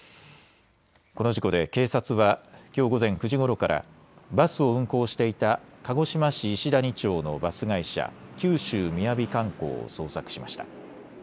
この事故で警察はきょう午前９時ごろからバスを運行していた鹿児島市石谷町のバス会社、九州みやび観光を捜索しました。